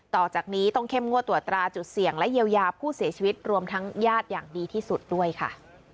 ต่อจากนี้ต้องเข้มงวดตรวจตราจุดเสี่ยงและเยียวยาผู้เสียชีวิตรวมทั้งญาติอย่างดีที่สุดด้วยค่ะ